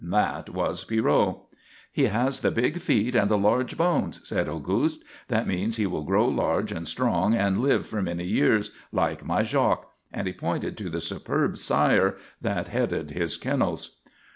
That was Pierrot. "He has the big feet and the large bones," said Auguste. "That means he will grow large and strong and live for many years, like my Jacques," and he pointed to the superb sire that headed his kennels.